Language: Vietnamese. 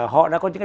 họ đã có những cái